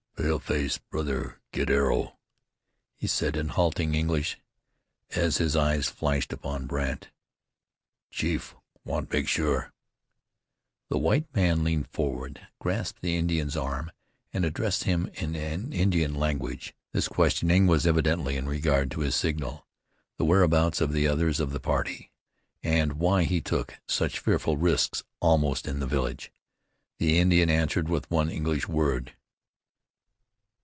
"Paleface brother get arrow," he said in halting English, as his eyes flashed upon Brandt. "Chief want make sure." The white man leaned forward, grasped the Indian's arm, and addressed him in an Indian language. This questioning was evidently in regard to his signal, the whereabouts of others of the party, and why he took such fearful risks almost in the village. The Indian answered with one English word.